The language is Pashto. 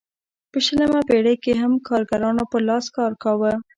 په شلمه پېړۍ کې هم کارګرانو پر لاس کار کاوه.